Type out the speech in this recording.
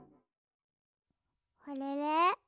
あれれ？